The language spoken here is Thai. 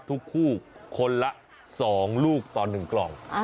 ทุกคู่คนละ๒ลูกต่อ๑กล่อง